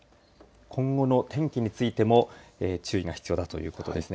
今後の天気についても注意が必要だということですね